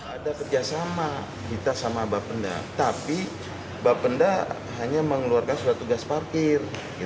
ada kerjasama kita sama bapenda tapi bapenda hanya mengeluarkan surat tugas parkir